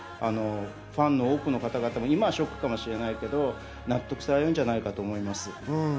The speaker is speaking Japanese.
ファンの多くの方々に、今はショックかもしれないけど、納得されるんじゃないかなと思います。